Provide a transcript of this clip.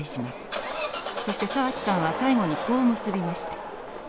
そして澤地さんは最後にこう結びました。